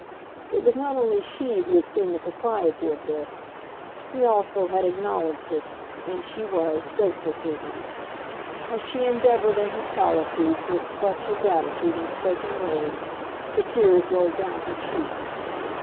It was not only she who had seen the propriety of this. He also had acknowledged it, and she was grateful to him. As she endeavoured in her solitude to express her gratitude in spoken words the tears rolled down her cheeks.